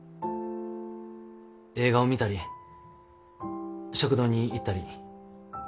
映画を見たり食堂に行ったり川を眺めたり。